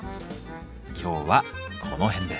今日はこの辺で。